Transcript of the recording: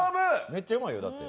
めっちゃうまいよ、だって。